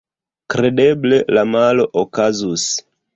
Kredeble la malo okazus.